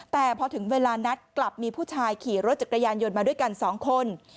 แต่พอถึงเวลานัดกลับมีผู้ชายขี่รถจักรยานยนต์มาด้วยกัน๒คน